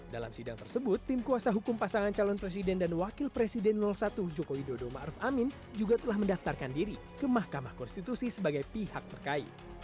dalam sidang tersebut tim kuasa hukum pasangan calon presiden dan wakil presiden satu joko widodo ⁇ maruf ⁇ amin juga telah mendaftarkan diri ke mahkamah konstitusi sebagai pihak terkait